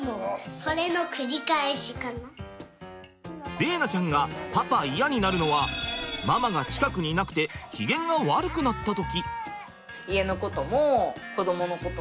玲菜ちゃんがパパイヤになるのはママが近くにいなくて機嫌が悪くなった時。